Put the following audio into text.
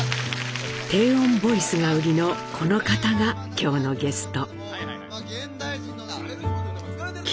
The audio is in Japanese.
低音ボイスが売りのこの方が今日のゲスト。